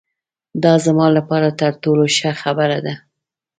دا زما له پاره تر ټولو ښه خبره ده.